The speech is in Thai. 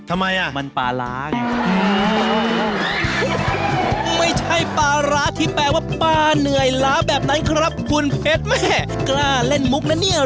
ทำไมอ่ะมันปลาร้างไม่ใช่ปลาร้าที่แปลว่าปลาเหนื่อยล้าแบบนั้นครับคุณเพชรแม่กล้าเล่นมุกนะเนี่ย